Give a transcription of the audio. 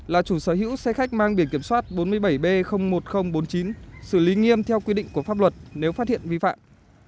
là chủ sở hữu xe khách mang biển kiểm soát bốn mươi bảy b một nghìn bốn mươi chín xử lý nghiêm theo quy định của pháp luật nếu phát hiện vi phạm